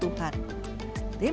tim liputan cnn indonesia